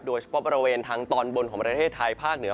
โดยเฉพาะบริเวณทางตอนบนของประเทศไทยภาคเหนือ